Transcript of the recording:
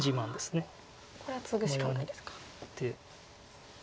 これはツグしかないですか。